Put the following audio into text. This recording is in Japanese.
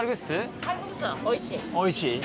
おいしい？